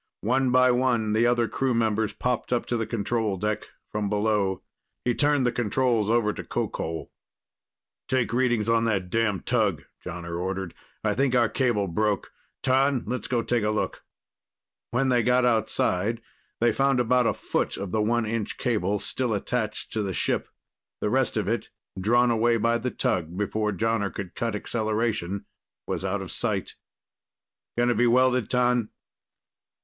One by one, the other crew members popped up to the control deck from below. He turned the controls over to Qoqol. "Take readings on that damn tug," Jonner ordered. "I think our cable broke. T'an, let's go take a look." When they got outside, they found about a foot of the one inch cable still attached to the ship. The rest of it, drawn away by the tug before Jonner could cut acceleration, was out of sight. "Can it be welded, T'an?"